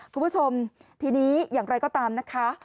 คุณผู้ชมทีนี้อย่างไรก็ตามนะคะ